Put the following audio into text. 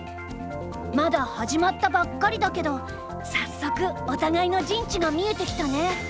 まだ始まったばっかりだけど早速お互いの陣地が見えてきたね。